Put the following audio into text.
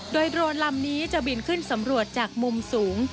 โดยโดรนลำนี้จะบินขึ้นสำรวจจากมุมสูง